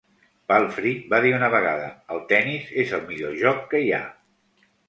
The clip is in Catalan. Palfrey va dir una vegada: el tennis és el millor joc que hi ha.